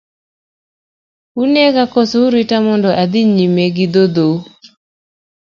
Unega kose urita mondo adhi nyime gi dhodhou.